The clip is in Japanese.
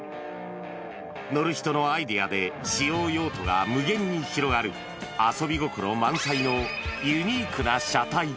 乗る人のアイデアで、使用用途が無限に広がる、遊び心満載のユニークな車体。